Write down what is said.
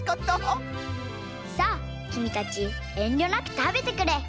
さあきみたちえんりょなくたべてくれ。